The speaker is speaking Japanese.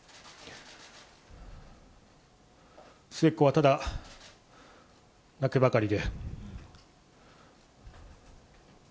末っ子はただ泣くばかりで。